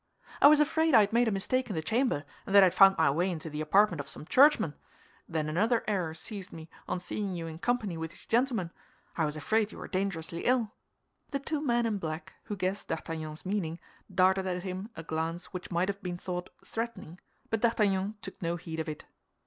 "I was afraid I had made a mistake in the chamber, and that I had found my way into the apartment of some churchman. Then another error seized me on seeing you in company with these gentlemen—I was afraid you were dangerously ill." The two men in black, who guessed D'Artagnan's meaning, darted at him a glance which might have been thought threatening; but D'Artagnan took no heed of it.